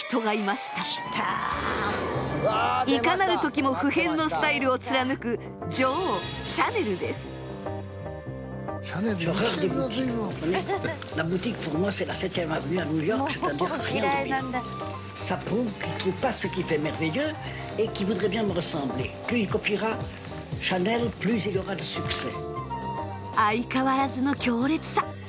いかなる時も不変のスタイルを貫く相変わらずの強烈さ。